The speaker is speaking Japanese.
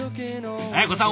文子さん